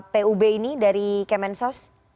pub ini dari kemensos